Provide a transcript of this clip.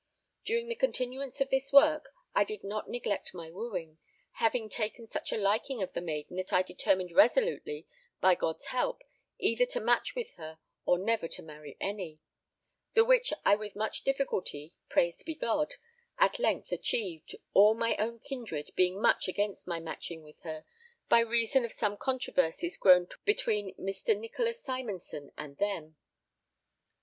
During the continuance of this work I did not neglect my wooing, having taken such a liking of the maiden that I determined resolutely (by God's help) either to match with her or never to marry any; the which I with much difficulty (praised be God) at length achieved, all my own kindred being much against my matching with her, by reason of some controversies grown twixt Mr. Nicolas Simonson and them.